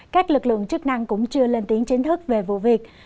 các lực lượng chức năng cũng chưa lên tiếng chính thức về vụ việc